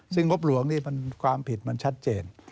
ซึ่งงบหลวงนี่ความผิดมันชัดเจน